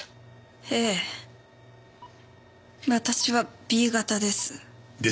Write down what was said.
ええ私はＢ型です。